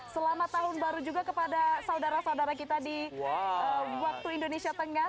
selamat tahun baru juga kepada saudara saudara kita di waktu indonesia tengah